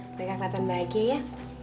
mereka kelihatan bahagia ya